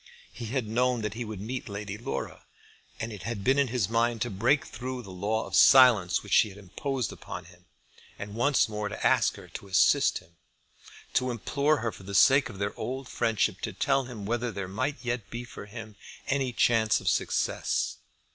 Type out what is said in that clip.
He had known that he would meet Lady Laura, and it had been in his mind to break through that law of silence which she had imposed upon him, and once more to ask her to assist him, to implore her for the sake of their old friendship to tell him whether there might yet be for him any chance of success.